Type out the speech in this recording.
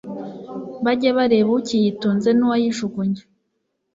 bajye bareba ukiyitunze nuwayijugunye